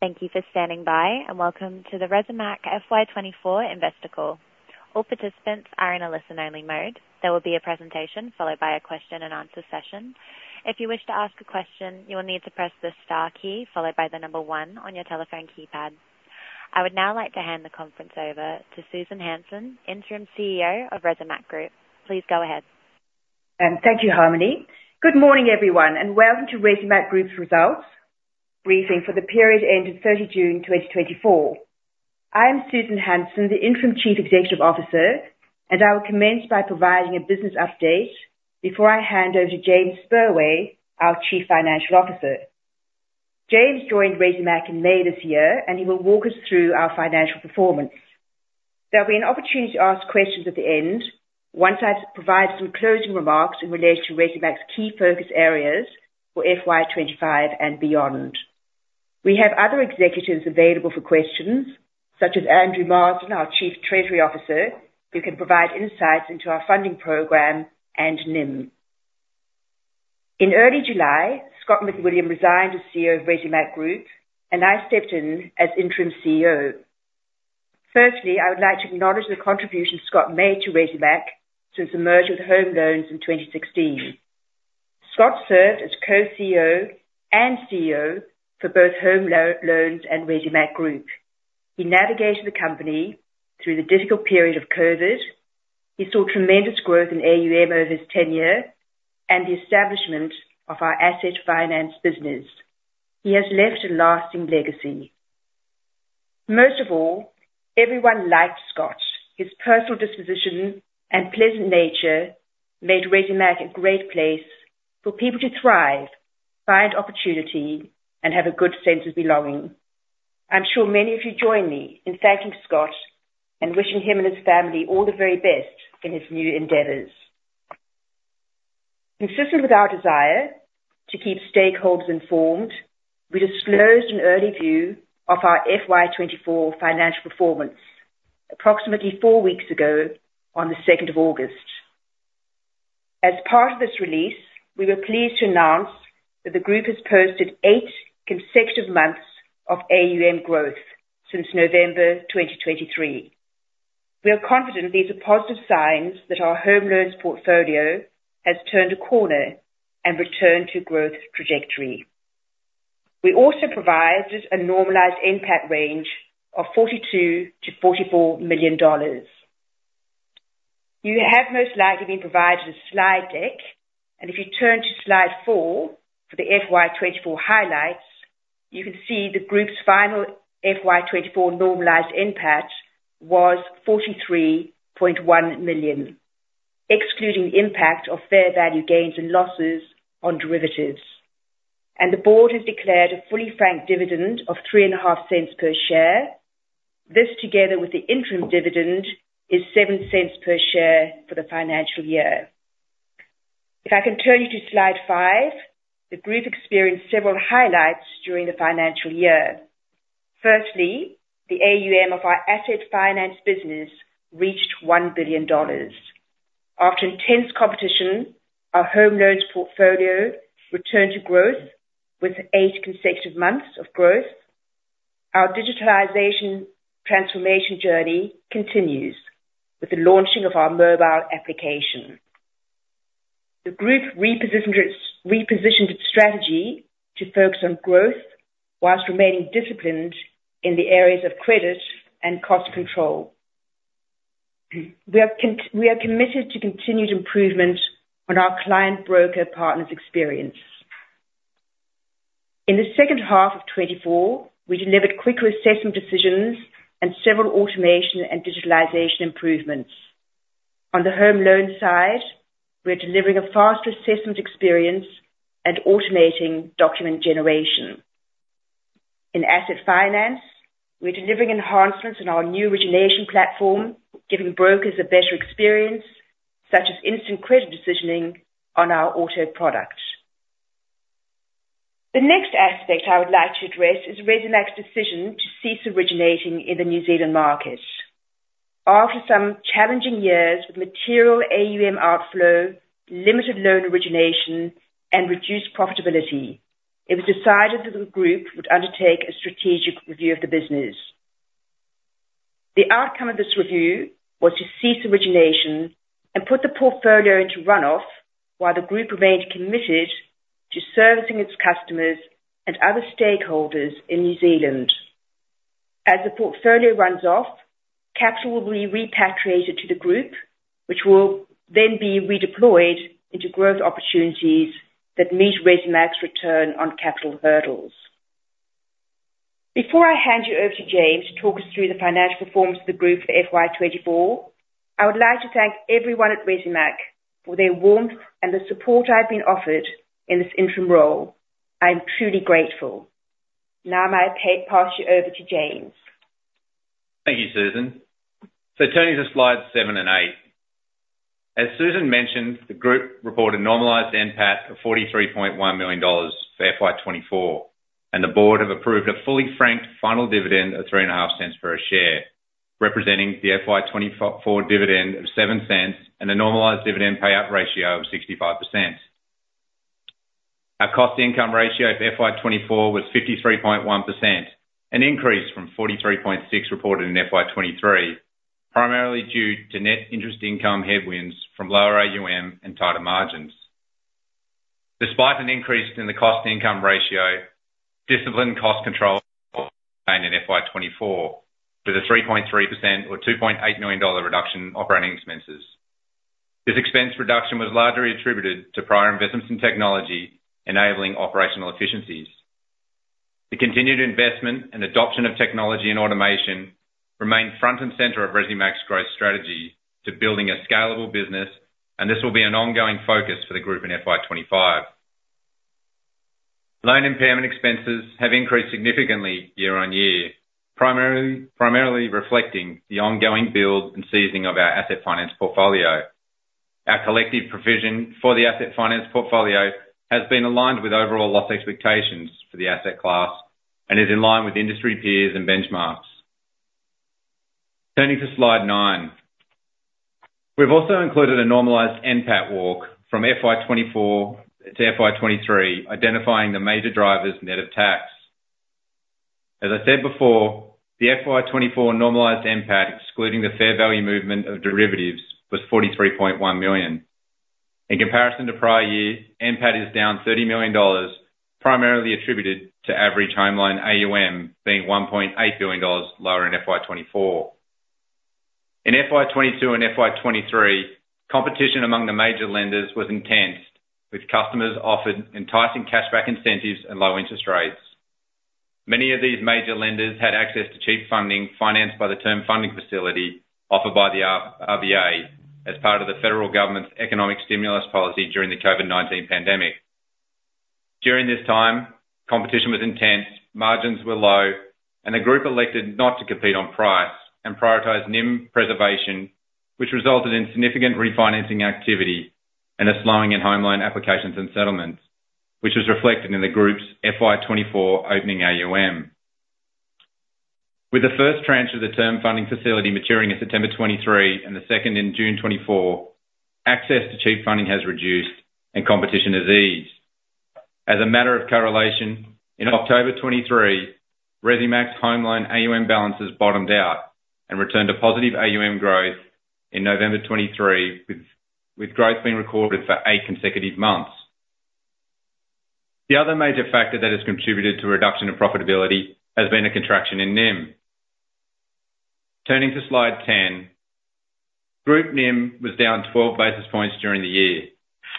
Thank you for standing by, and welcome to the Resimac FY24 Investor Call. All participants are in a listen-only mode. There will be a presentation, followed by a question and answer session. If you wish to ask a question, you will need to press the star key, followed by the number one on your telephone keypad. I would now like to hand the conference over to Susan Hansen, Interim CEO of Resimac Group. Please go ahead. Thank you, Harmony. Good morning, everyone, and welcome to Resimac Group's results briefing for the period ending thirty June, 2024. I am Susan Hansen, the Interim Chief Executive Officer, and I will commence by providing a business update before I h.nd over to James Spurway, our Chief Financial Officer. James joined Resimac in May this year, and he will walk us through our financial performance. There'll be an opportunity to ask questions at the end, once I've provided some closing remarks in relation to Resimac's key focus areas for FY25 and beyond. We have other executives available for questions, such as Andrew Marsden, our Chief Treasury Officer, who can provide insights into our funding program and NIM. In early July, Scott McWilliam resigned as CEO of Resimac Group, and I stepped in as Interim CEO. Firstly, I would like to acknowledge the contribution Scott made to Resimac since the merger with Homeloans in 2016. Scott served as co-CEO and CEO for both Homeloans and Resimac Group. He navigated the company through the difficult period of COVID. He saw tremendous growth in AUM over his tenure and the establishment of our asset finance business. He has left a lasting legacy. Most of all, everyone liked Scott. His personal disposition and pleasant nature made Resimac a great place for people to thrive, find opportunity, and have a good sense of belonging. I'm sure many of you join me in thanking Scott and wishing him and his family all the very best in his new endeavors. Consistent with our desire to keep stakeholders informed, we disclosed an early view of our FY24 financial performance approximately four weeks ago on the second of August. As part of this release, we were pleased to announce that the group has posted eight consecutive months of AUM growth since November 2023. We are confident these are positive signs that our homeloans portfolio has turned a corner and returned to growth trajectory. We also provided a normalized NPAT range of 42-44 million dollars. You have most likely been provided a slide deck, and if you turn to Slide 4, for the FY24 highlights, you can see the group's final FY24 normalized NPAT was 43.1 million, excluding the impact of fair value gains and losses on derivatives, and the board has declared a fully franked dividend of 3.5 cents per share. This, together with the interim dividend, is 7 cents per share for the financial year. If I can turn you to Slide 5, the group experienced several highlights during the financial year. Firstly, the AUM of our asset finance business reached 1 billion dollars. After intense competition, our homeloans portfolio returned to growth, with eight consecutive months of growth. Our digitalization transformation journey continues with the launching of our mobile application. The group repositioned its strategy to focus on growth whilst remaining disciplined in the areas of credit and cost control. We are committed to continued improvement on our client broker partners' experience. In the second half of 2024, we delivered quicker assessment decisions and several automation and digitalization improvements. On the homeloan side, we are delivering a fast assessment experience and automating document generation. In asset finance, we're delivering enhancements in our new origination platform, giving brokers a better experience, such as instant credit decisioning on our auto product. The next aspect I would like to address is Resimac's decision to cease originating in the New Zealand market. After some challenging years with material AUM outflow, limited loan origination, and reduced profitability, it was decided that the group would undertake a strategic review of the business. The outcome of this review was to cease origination and put the portfolio into run-off, while the group remained committed to servicing its customers and other stakeholders in New Zealand. As the portfolio runs off, capital will be repatriated to the group, which will then be redeployed into growth opportunities that meet Resimac's return on capital hurdles. Before I hand you over to James to talk us through the financial performance of the group for FY24, I would like to thank everyone at Resimac for their warmth and the support I've been offered in this interim role. I'm truly grateful. Now, may I pass you over to James. Thank you, Susan. So turning to slides seven and eight. As Susan mentioned, the group reported normalized NPAT of AUD 43.1 million for FY24, and the board have approved a fully franked final dividend of 0.035 per share, representing the FY24 dividend of 0.07 and a normalized dividend payout ratio of 65%. Our cost income ratio for FY24 was 53.1%, an increase from 43.6% reported in FY23, primarily due to net interest income headwinds from lower AUM and tighter margins. Despite an increase in the cost income ratio, disciplined cost control in FY24, with a 3.3% or 2.8 million dollar reduction in operating expenses. This expense reduction was largely attributed to prior investments in technology, enabling operational efficiencies. The continued investment and adoption of technology and automation remain front and center of Resimac's growth strategy to building a scalable business, and this will be an ongoing focus for the group in FY25. Loan impairment expenses have increased significantly year-on-year, primarily reflecting the ongoing build and seasoning of our asset finance portfolio. Our collective provision for the asset finance portfolio has been aligned with overall loss expectations for the asset class and is in line with industry peers and benchmarks. Turning to Slide 9. We've also included a normalized NPAT walk from FY24 to FY23, identifying the major drivers net of tax. As I said before, the FY24 normalized NPAT, excluding the fair value movement of derivatives, was 43.1 million. In comparison to prior year, NPAT is down 30 million dollars, primarily attributed to average homeloan AUM, being 1.8 billion dollars lower in FY24. In FY22 and FY23, competition among the major lenders was intense, with customers offered enticing cashback incentives and low interest rates. Many of these major lenders had access to cheap funding, financed by the Term Funding Facility offered by the RBA as part of the federal government's economic stimulus policy during the COVID-19 pandemic. During this time, competition was intense, margins were low, and the group elected not to compete on price and prioritize NIM preservation, which resulted in significant refinancing activity and a slowing in homeloan applications and settlements, which was reflected in the group's FY24 opening AUM. With the first tranche of the Term Funding Facility maturing in September 2023 and the second in June 2024, access to cheap funding has reduced and competition has eased. As a matter of correlation, in October 2023, Resimac's homeloan AUM balances bottomed out and returned to positive AUM growth in November 2023, with growth being recorded for eight consecutive months. The other major factor that has contributed to a reduction in profitability has been a contraction in NIM. Turning to Slide 10, group NIM was down 12 basis points during the year,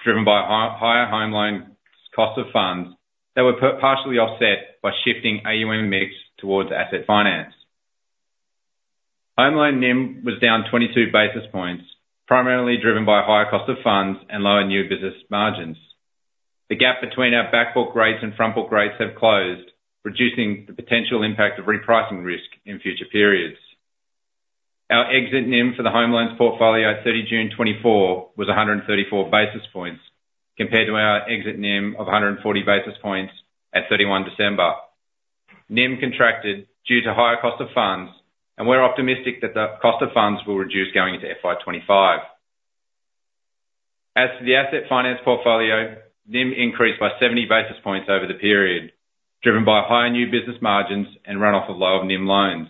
driven by higher homeloan cost of funds that were partially offset by shifting AUM mix towards asset finance. Homeloan NIM was down 22 basis points, primarily driven by higher cost of funds and lower new business margins. The gap between our backbook rates and frontbook rates have closed, reducing the potential impact of repricing risk in future periods. Our exit NIM for the homeloans portfolio at 30 June 2024 was 134 basis points, compared to our exit NIM of 140 basis points at 31 December 2023. NIM contracted due to higher cost of funds, and we're optimistic that the cost of funds will reduce going into FY25. As to the asset finance portfolio, NIM increased by 70 basis points over the period, driven by higher new business margins and run off of lower NIM loans.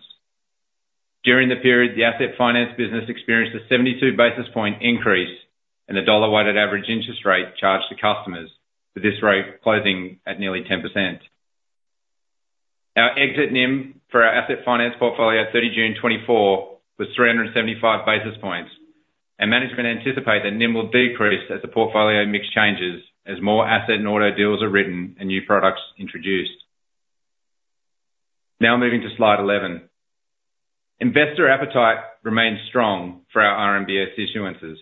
During the period, the asset finance business experienced a 72 basis point increase in the dollar-weighted average interest rate charged to customers, with this rate closing at nearly 10%. Our exit NIM for our asset finance portfolio, 30 June 2024, was 375 basis points, and management anticipate that NIM will decrease as the portfolio mix changes, as more asset and auto deals are written and new products introduced. Now, moving to Slide 11. Investor appetite remains strong for our RMBS issuances.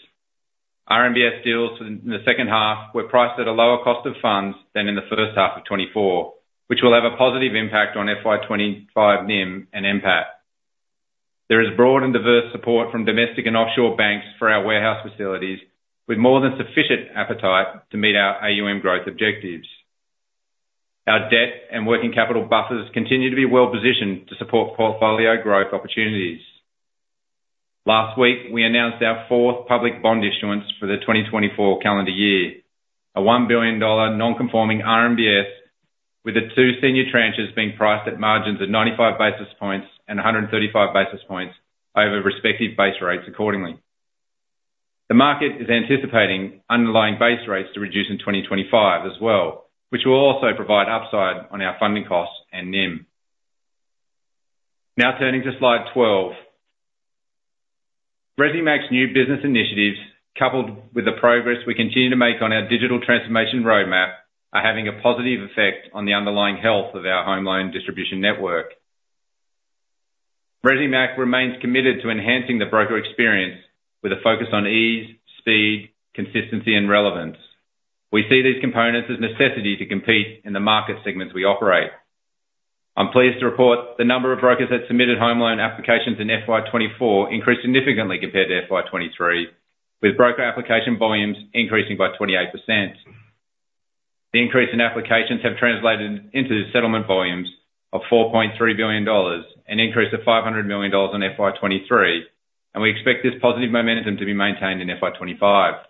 RMBS deals in the second half were priced at a lower cost of funds than in the first half of 2024, which will have a positive impact on FY25 NIM and NPAT. There is broad and diverse support from domestic and offshore banks for our warehouse facilities, with more than sufficient appetite to meet our AUM growth objectives. Our debt and working capital buffers continue to be well positioned to support portfolio growth opportunities. Last week, we announced our fourth public bond issuance for the 2024 calendar year, a 1 billion dollar non-conforming RMBS, with the two senior tranches being priced at margins of 95 basis points and 135 basis points over respective base rates accordingly. The market is anticipating underlying base rates to reduce in 2025 as well, which will also provide upside on our funding costs and NIM. Now turning to Slide 12. Resimac's new business initiatives, coupled with the progress we continue to make on our digital transformation roadmap, are having a positive effect on the underlying health of our homeloan distribution network. Resimac remains committed to enhancing the broker experience with a focus on ease, speed, consistency and relevance. We see these components as a necessity to compete in the market segments we operate. I'm pleased to report the number of brokers that submitted homeloan applications in FY24 increased significantly compared to FY23, with broker application volumes increasing by 28%. The increase in applications have translated into settlement volumes of 4.3 billion dollars, an increase of 500 million dollars in FY23, and we expect this positive momentum to be maintained in FY25.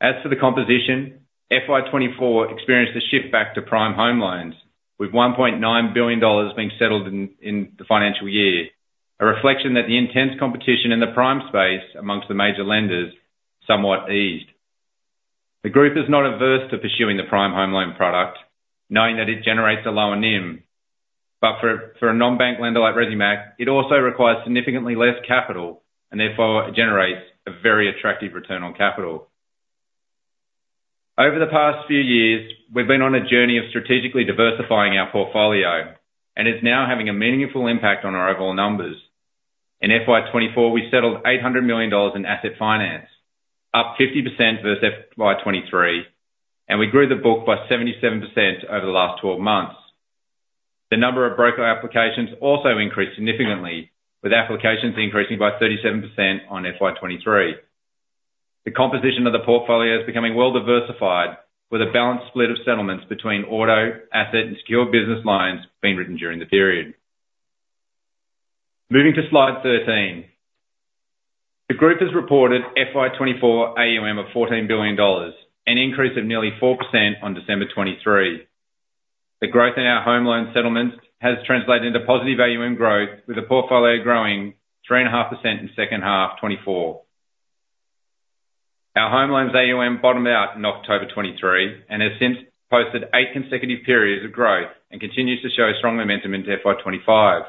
As for the composition, FY24 experienced a shift back to Prime homeloans, with 1.9 billion dollars being settled in the financial year, a reflection that the intense competition in the prime space amongst the major lenders somewhat eased. The group is not averse to pursuing the Prime homeloan product, knowing that it generates a lower NIM. But for a non-bank lender like Resimac, it also requires significantly less capital, and therefore it generates a very attractive return on capital. Over the past few years, we've been on a journey of strategically diversifying our portfolio, and it's now having a meaningful impact on our overall numbers. In FY24, we settled 800 million dollars in asset finance, up 50% versus FY23, and we grew the book by 77% over the last twelve months. The number of broker applications also increased significantly, with applications increasing by 37% on FY23. The composition of the portfolio is becoming well diversified, with a balanced split of settlements between auto, asset, and secured business lines being written during the period. Moving to Slide 13. The group has reported FY24 AUM of AUD 14 billion, an increase of nearly 4% on December 2023. The growth in our homeloan settlements has translated into positive AUM growth, with the portfolio growing 3.5% in second half 2024. Our homeloans AUM bottomed out in October 2023, and has since posted eight consecutive periods of growth, and continues to show strong momentum into FY25.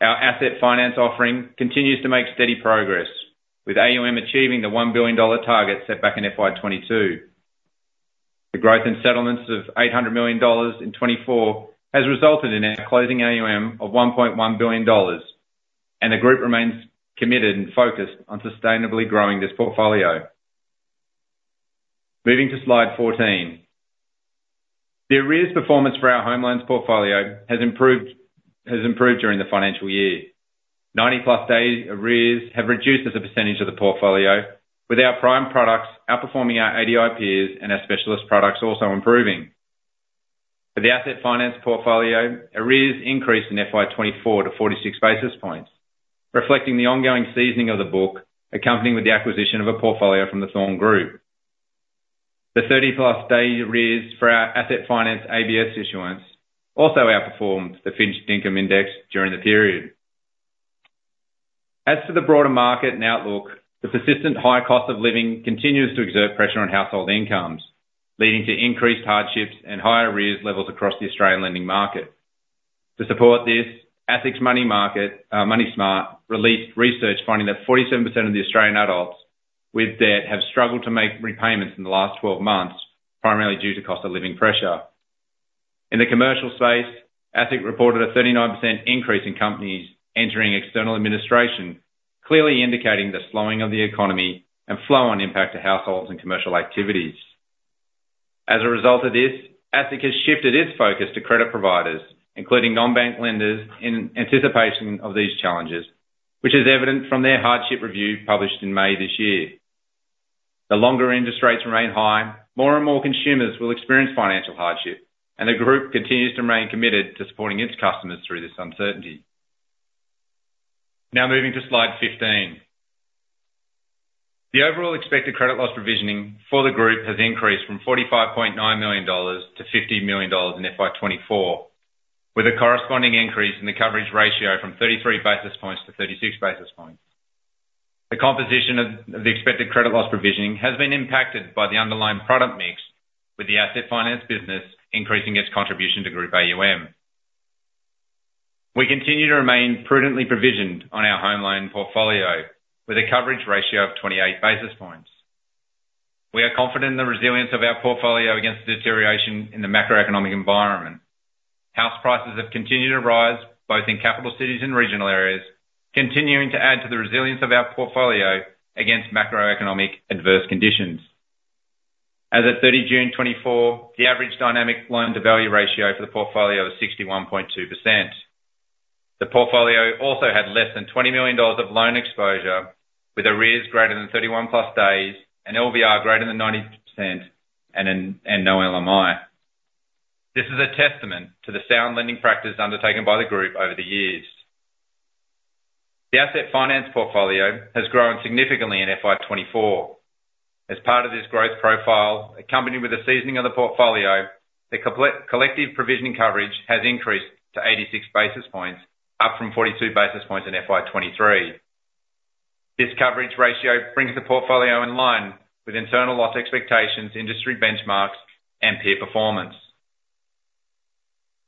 Our asset finance offering continues to make steady progress, with AUM achieving the 1 billion dollar target set back in FY22. The growth in settlements of 800 million dollars in 2024 has resulted in a closing AUM of 1.1 billion dollars, and the group remains committed and focused on sustainably growing this portfolio. Moving to Slide 14. The arrears performance for our homeloans portfolio has improved during the financial year. 90-plus day arrears have reduced as a percentage of the portfolio, with our prime products outperforming our ADI peers and our Specialist products also improving. For the asset finance portfolio, arrears increased in FY24 to 46 basis points, reflecting the ongoing seasoning of the book, accompanying with the acquisition of a portfolio from the Thorn Group. The 30-plus day arrears for our asset finance ABS issuance also outperformed the Fitch Dinkum Index during the period. As to the broader market and outlook, the persistent high cost of living continues to exert pressure on household incomes, leading to increased hardships and higher arrears levels across the Australian lending market. To support this, ASIC's Moneysmart released research finding that 47% of the Australian adults with debt have struggled to make repayments in the last twelve months, primarily due to cost of living pressure. In the commercial space, ASIC reported a 39% increase in companies entering external administration, clearly indicating the slowing of the economy and flow-on impact to households and commercial activities. As a result of this, ASIC has shifted its focus to credit providers, including non-bank lenders, in anticipation of these challenges, which is evident from their hardship review, published in May this year. The longer interest rates remain high, more and more consumers will experience financial hardship, and the group continues to remain committed to supporting its customers through this uncertainty. Now, moving to Slide 15. The overall expected credit loss provisioning for the group has increased from 45.9 million-50 million dollars in FY24, with a corresponding increase in the coverage ratio from 33 basis points to 36 basis points. The composition of the expected credit loss provisioning has been impacted by the underlying product mix, with the asset finance business increasing its contribution to Group AUM. We continue to remain prudently provisioned on our homeloan portfolio, with a coverage ratio of 28 basis points. We are confident in the resilience of our portfolio against the deterioration in the macroeconomic environment. House prices have continued to rise, both in capital cities and regional areas, continuing to add to the resilience of our portfolio against macroeconomic adverse conditions. As of 30 June 2024, the average dynamic loan-to-value ratio for the portfolio was 61.2%. The portfolio also had less than 20 million dollars of loan exposure, with arrears greater than 31+ days, an LVR greater than 90%, and no LMI. This is a testament to the sound lending practice undertaken by the group over the years. The asset finance portfolio has grown significantly in FY24. As part of this growth profile, accompanied with the seasoning of the portfolio, the collective provisioning coverage has increased to 86 basis points, up from 42 basis points in FY23. This coverage ratio brings the portfolio in line with internal loss expectations, industry benchmarks, and peer performance.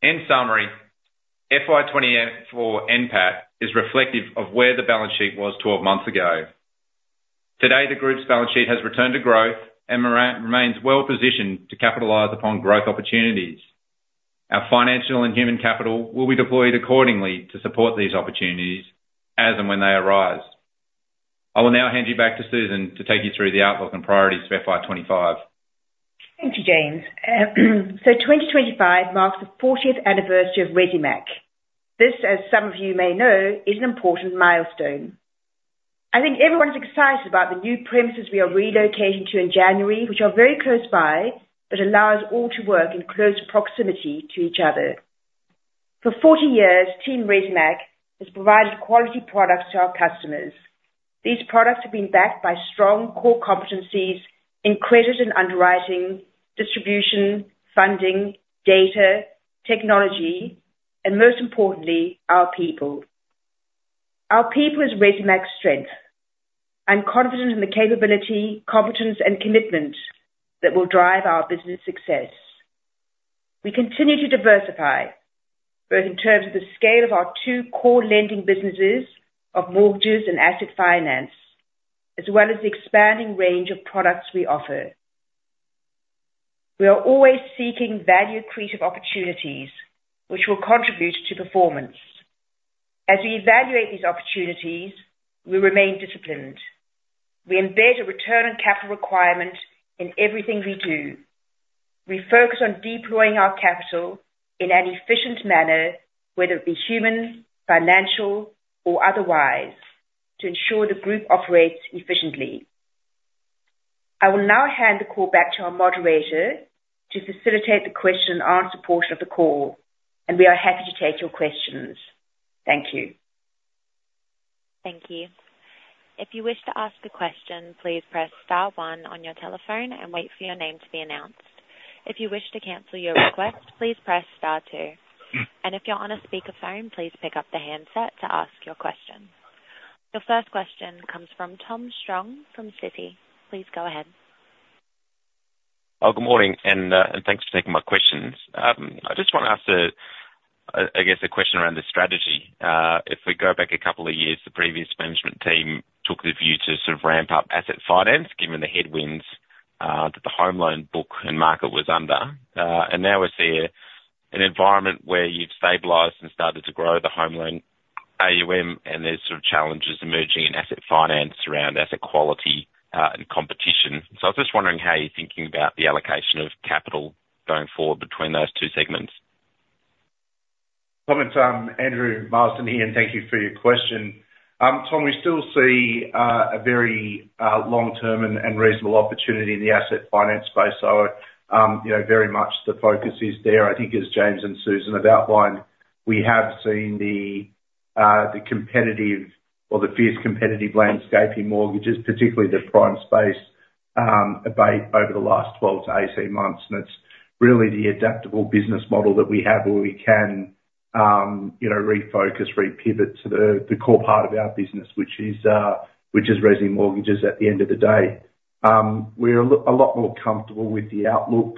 In summary, FY24 NPAT is reflective of where the balance sheet was twelve months ago. Today, the group's balance sheet has returned to growth and remains well positioned to capitalize upon growth opportunities. Our financial and human capital will be deployed accordingly to support these opportunities as and when they arise. I will now hand you back to Susan to take you through the outlook and priorities for FY25. Thank you, James. So 2025 marks the fortieth anniversary of Resimac. This, as some of you may know, is an important milestone. I think everyone's excited about the new premises we are relocating to in January, which are very close by, but allow us all to work in close proximity to each other. For forty years, Team Resimac has provided quality products to our customers. These products have been backed by strong core competencies in credit and underwriting, distribution, funding, data, technology, and most importantly, our people. Our people is Resimac's strength. I'm confident in the capability, competence, and commitment that will drive our business success. We continue to diversify, both in terms of the scale of our two core lending businesses of mortgages and asset finance, as well as the expanding range of products we offer. We are always seeking value-creative opportunities, which will contribute to performance. As we evaluate these opportunities, we remain disciplined. We embed a return on capital requirement in everything we do. We focus on deploying our capital in an efficient manner, whether it be human, financial, or otherwise, to ensure the group operates efficiently. I will now hand the call back to our moderator to facilitate the question and answer portion of the call, and we are happy to take your questions. Thank you. Thank you. If you wish to ask a question, please press star one on your telephone and wait for your name to be announced. If you wish to cancel your request, please press star two. And if you're on a speakerphone, please pick up the handset to ask your question. Your first question comes from Tom Strong, from Citi. Please go ahead. Oh, good morning, and thanks for taking my questions. I just want to ask, I guess, a question around the strategy. If we go back a couple of years, the previous management team took the view to sort of ramp up asset finance, given the headwinds that the homeloan book and market was under, and now we see an environment where you've stabilized and started to grow the homeloan AUM, and there's sort of challenges emerging in asset finance around asset quality and competition, so I was just wondering how you're thinking about the allocation of capital going forward between those two segments. Good morning, Tom. Andrew Marsden here, and thank you for your question. Tom, we still see a very long-term and reasonable opportunity in the asset finance space, so, you know, very much the focus is there. I think as James and Susan have outlined, we have seen the competitive or the fierce competitive landscape in mortgages, particularly the Prime space, abate over the last 12 to 18 months, and it's really the adaptable business model that we have, where we can, you know, refocus, repivot to the core part of our business, which is resi mortgages at the end of the day. We're a lot more comfortable with the outlook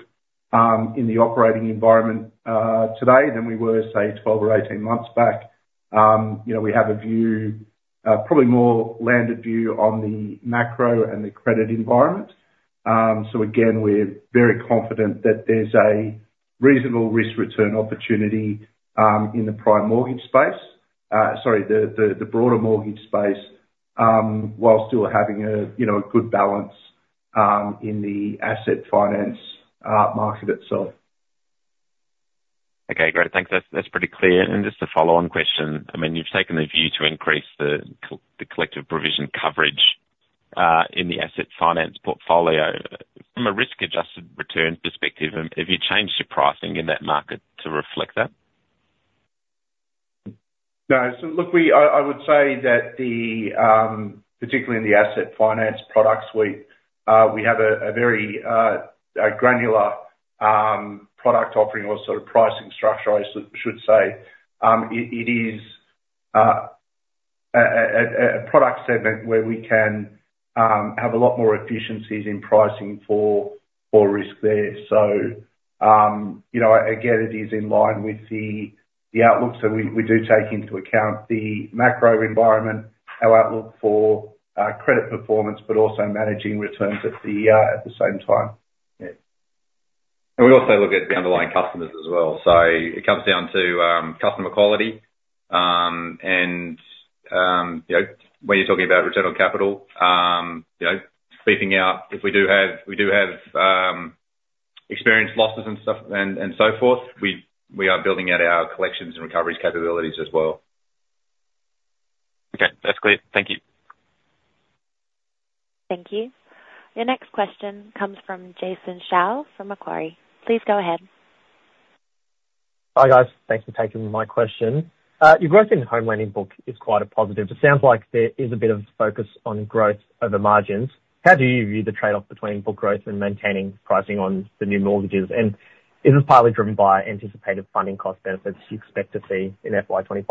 in the operating environment today than we were, say, 12 or 18 months back. You know, we have a view, probably more landed view on the macro and the credit environment. So again, we're very confident that there's a reasonable risk return opportunity, in the Prime mortgage space. Sorry, the broader mortgage space, while still having a, you know, a good balance, in the asset finance market itself. Okay, great. Thanks. That's pretty clear. And just a follow-on question, I mean, you've taken the view to increase the collective provision coverage in the asset finance portfolio. From a risk-adjusted return perspective, have you changed your pricing in that market to reflect that? No. So look, we, I would say that, particularly in the asset finance products, we have a very granular product offering or sort of pricing structure, I should say. It is a product segment where we can have a lot more efficiencies in pricing for risk there. So, you know, again, it is in line with the outlook. So we do take into account the macro environment, our outlook for credit performance, but also managing returns at the same time. Yeah. And we also look at the underlying customers as well. So it comes down to customer quality, and you know, when you're talking about return on capital, you know, spacing out if we do have experienced losses and stuff and so forth, we are building out our collections and recoveries capabilities as well. Okay. That's clear. Thank you. Thank you. Your next question comes from Jason Shao, from Macquarie. Please go ahead. Hi, guys. Thanks for taking my question. Your growth in the home lending book is quite a positive. It sounds like there is a bit of focus on growth over margins. How do you view the trade-off between book growth and maintaining pricing on the new mortgages? And is this partly driven by anticipated funding cost benefits you expect to see in FY25?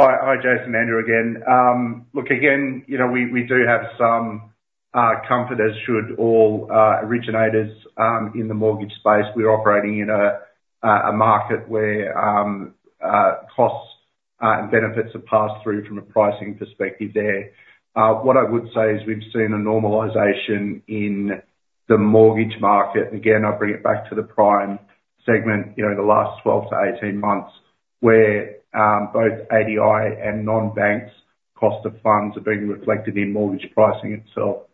Hi. Hi, Jason, Andrew again. Look, again, you know, we do have some comfort as should all originators in the mortgage space. We're operating in a market where costs and benefits are passed through from a pricing perspective there. What I would say is we've seen a normalization in the mortgage market, and again, I bring it back to the Prime segment, you know, in the last 12-18 months, where both ADI and non-banks' cost of funds are being reflected in mortgage pricing itself.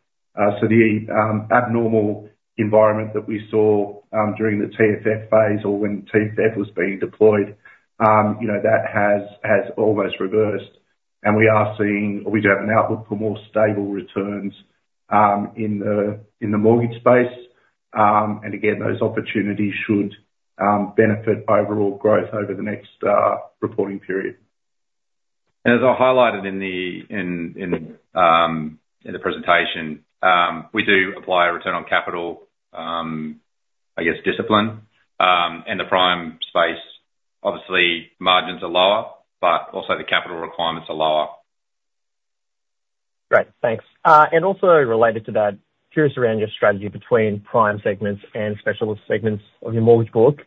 So the abnormal environment that we saw during the TFF phase or when TFF was being deployed, you know, that has almost reversed, and we are seeing, or we have an outlook for more stable returns in the mortgage space. And again, those opportunities should benefit overall growth over the next reporting period. And as I highlighted in the presentation, we do apply a return on capital, I guess discipline, in the Prime space. Obviously, margins are lower, but also the capital requirements are lower. Great, thanks. And also related to that, curious around your strategy between Prime segments and specialist segments of your mortgage book.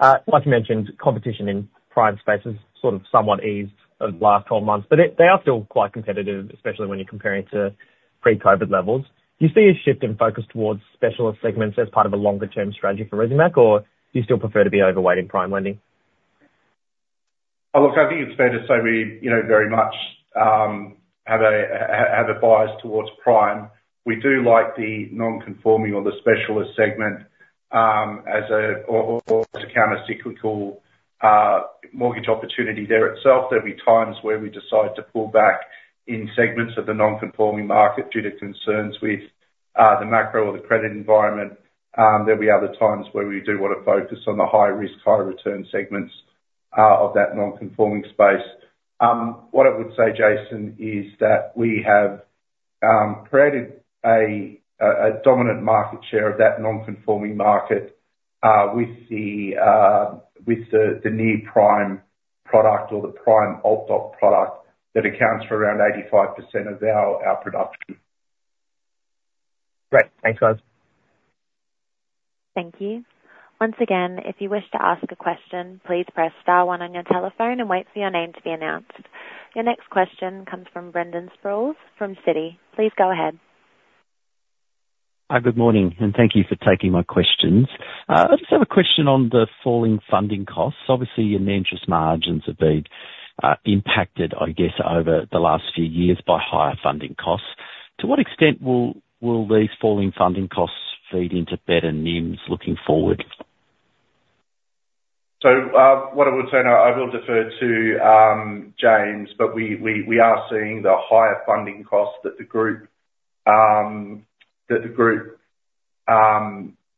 Like you mentioned, competition in Prime space has sort of somewhat eased over the last twelve months, but they are still quite competitive, especially when you're comparing to pre-COVID levels. Do you see a shift in focus towards specialist segments as part of a longer-term strategy for Resimac, or do you still prefer to be overweight in Prime lending? Oh, look, I think it's fair to say we, you know, very much have a bias towards Prime. We do like the non-conforming or the specialist segment as a countercyclical mortgage opportunity there itself. There'll be times where we decide to pull back in segments of the non-conforming market due to concerns with the macro or the credit environment. There'll be other times where we do want to focus on the high-risk, high-return segments of that non-conforming space. What I would say, Jason, is that we have created a dominant market share of that non-conforming market with the Near Prime Product or the Prime Alt product that accounts for around 85% of our production. Great. Thanks, guys. Thank you. Once again, if you wish to ask a question, please press star one on your telephone and wait for your name to be announced. Your next question comes from Brendan Sproules from Citi. Please go ahead. Hi, good morning, and thank you for taking my questions. I just have a question on the falling funding costs. Obviously, your interest margins have been impacted, I guess, over the last few years by higher funding costs. To what extent will these falling funding costs feed into better NIMs looking forward? What I would say, and I will defer to James, but we are seeing the higher funding costs that the group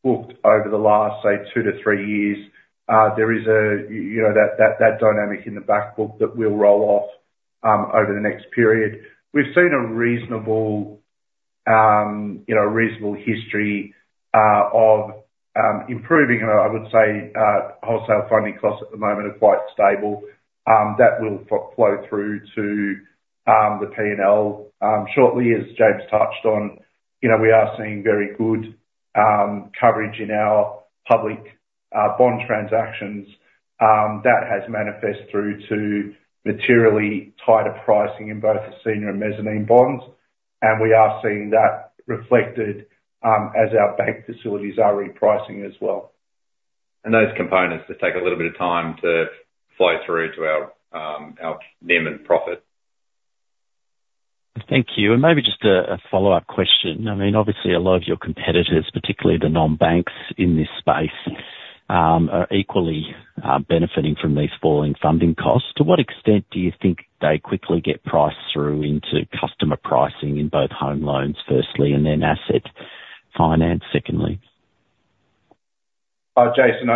booked over the last, say, two to three years. There is, you know, that dynamic in the backbook that will roll off over the next period. We've seen a reasonable, you know, reasonable history of improving, and I would say wholesale funding costs at the moment are quite stable. That will flow through to the P&L. Shortly, as James touched on, you know, we are seeing very good coverage in our public bond transactions, that has manifested through to materially tighter pricing in both the senior and mezzanine bonds, and we are seeing that reflected, as our bank facilities are repricing as well. Those components just take a little bit of time to flow through to our NIM and profit. Thank you. And maybe just a follow-up question. I mean, obviously a lot of your competitors, particularly the non-banks in this space, are equally benefiting from these falling funding costs. To what extent do you think they quickly get priced through into customer pricing in both homeloans, firstly, and then asset finance, secondly? Jason,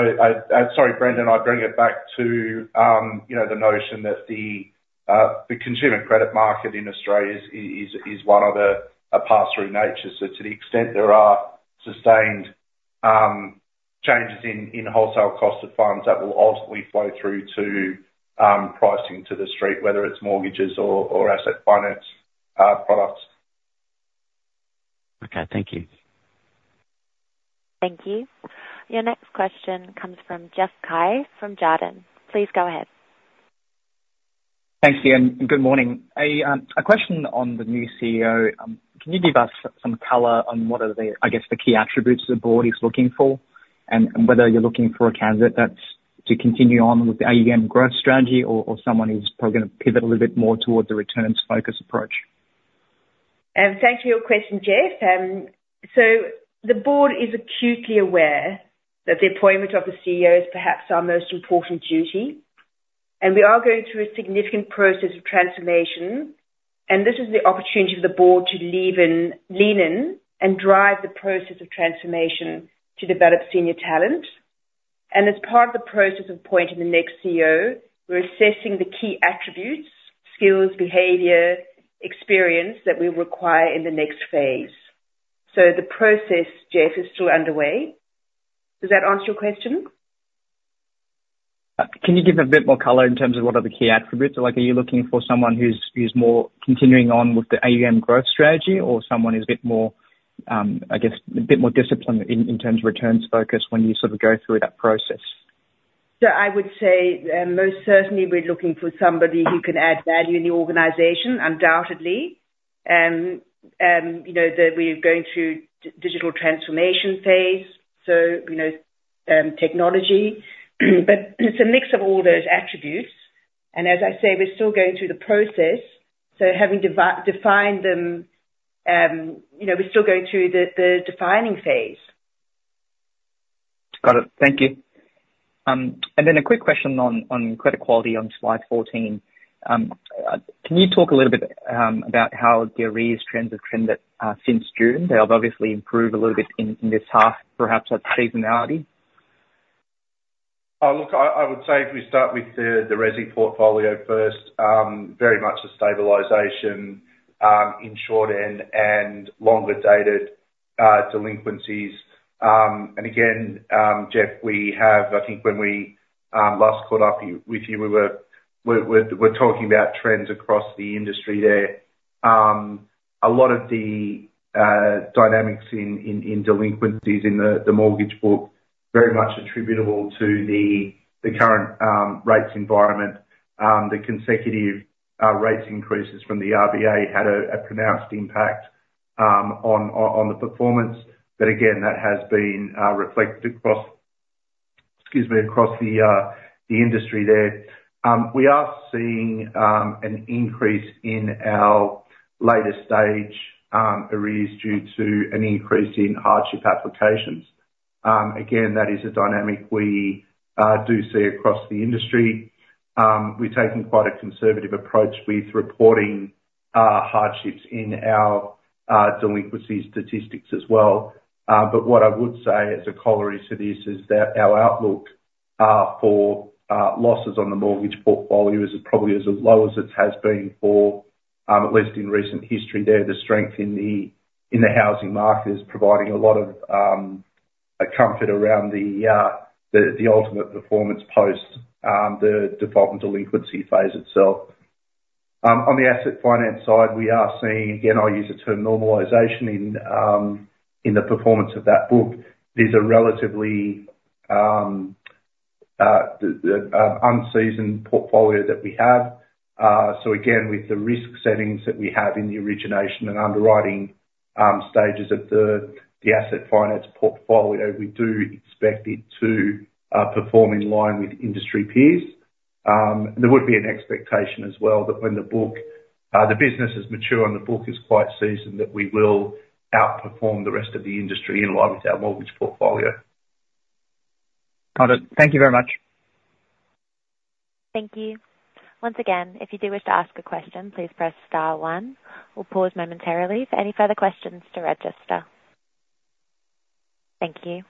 sorry, Brendan, I bring it back to, you know, the notion that the consumer credit market in Australia is one of a pass-through nature. So to the extent there are sustained changes in wholesale cost of funds, that will ultimately flow through to pricing to the street, whether it's mortgages or asset finance products. Okay. Thank you. Thank you. Your next question comes from Jeff Cai from Jarden. Please go ahead. Thanks, Ian. Good morning. A question on the new CEO. Can you give us some color on what are the, I guess, the key attributes the board is looking for, and whether you're looking for a candidate that's to continue on with the AUM growth strategy or someone who's probably gonna pivot a little bit more towards the returns-focused approach? Thank you for your question, Jeff. So the board is acutely aware that the appointment of the CEO is perhaps our most important duty, and we are going through a significant process of transformation, and this is the opportunity for the board to lean in and drive the process of transformation to develop senior talent. And as part of the process of appointing the next CEO, we're assessing the key attributes, skills, behavior, experience that we require in the next phase. So the process, Jeff, is still underway. Does that answer your question? Can you give a bit more color in terms of what are the key attributes? Like, are you looking for someone who's more continuing on with the AUM growth strategy, or someone who's a bit more, I guess, a bit more disciplined in terms of returns focus when you sort of go through that process? So I would say, most certainly we're looking for somebody who can add value in the organization, undoubtedly. You know, that we're going through digital transformation phase, so, you know, technology, but it's a mix of all those attributes. And as I say, we're still going through the process, so having defined them, you know, we're still going through the defining phase. Got it. Thank you, and then a quick question on credit quality on Slide 14. Can you talk a little bit about how the arrears trends have trended since June? They have obviously improved a little bit in this half, perhaps that's seasonality. Look, I would say if we start with the resi portfolio first, very much a stabilization in short end and longer dated delinquencies. And again, Jeff, we have, I think when we last caught up with you, we were talking about trends across the industry there. A lot of the dynamics in delinquencies in the mortgage book, very much attributable to the current rates environment. The consecutive rate increases from the RBA had a pronounced impact on the performance. But again, that has been reflected across, excuse me, across the industry there. We are seeing an increase in our later stage arrears due to an increase in hardship applications. Again, that is a dynamic we do see across the industry. We've taken quite a conservative approach with reporting hardships in our delinquency statistics as well. But what I would say as a corollary to this is that our outlook for losses on the mortgage portfolio is probably as low as it has been for at least in recent history. There, the strength in the housing market is providing a lot of a comfort around the ultimate performance post the default and delinquency phase itself. On the asset finance side, we are seeing, again, I'll use the term normalization in the performance of that book. These are relatively the unseasoned portfolio that we have. So again, with the risk settings that we have in the origination and underwriting stages of the asset finance portfolio, we do expect it to perform in line with industry peers. There would be an expectation as well, that when the book, the business is mature and the book is quite seasoned, that we will outperform the rest of the industry in line with our mortgage portfolio. Got it. Thank you very much. Thank you. Once again, if you do wish to ask a question, please press star one. We'll pause momentarily for any further questions to register. Thank you.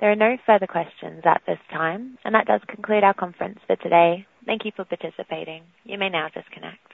There are no further questions at this time, and that does conclude our conference for today. Thank you for participating. You may now disconnect.